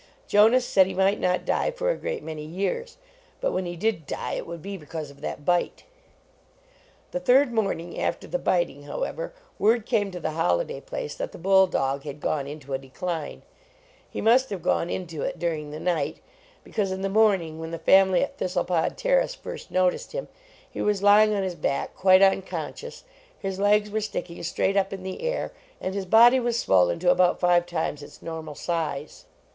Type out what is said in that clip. Jonas said he might not die for a great many years, but when he did die it would be because of that bite. The third morning after the biting, how ever, word came to the Holliday place that the bull dog had gone into a decline. He must have gone into it during the night, be 8 113 JONAS cause in the morning, when the family at Thistlepod Terrace first noticed him, he was lying on his back, quite unconscious; his legs were sticking straight up in the air, and his body was swollen to about five times its nor mal size.